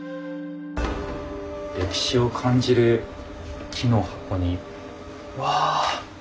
歴史を感じる木の箱にわあ！